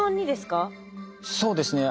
そうですね。